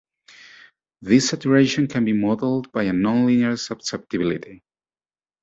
This saturation can be modelled by a nonlinear susceptibility.